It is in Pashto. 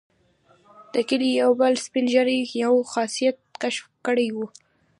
د کلي یو بل سپین ږیري یو خاصیت کشف کړی وو.